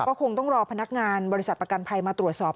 ก็คงต้องรอพนักงานบริษัทประกันภัยมาตรวจสอบ